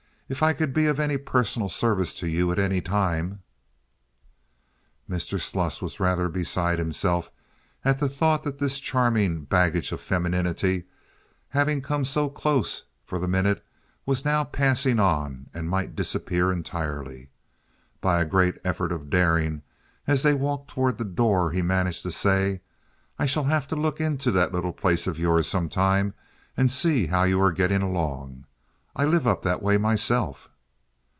If I could be of any personal service to you at any time—" Mr. Sluss was rather beside himself at the thought that this charming baggage of femininity, having come so close for the minute, was now passing on and might disappear entirely. By a great effort of daring, as they walked toward the door, he managed to say: "I shall have to look into that little place of yours sometime and see how you are getting along. I live up that way myself."